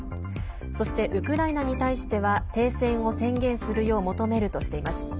そして、ウクライナに対しては停戦を宣言するよう求めるとしています。